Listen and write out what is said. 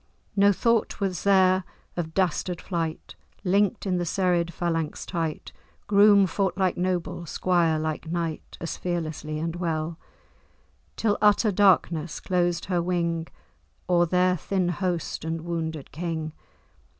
No thought was there of dastard flight: Link'd in the serried phalanx tight, Groom fought like noble, squire like knight, As fearlessly and well; Till utter darkness closed her wing O'er their thin host and wounded King.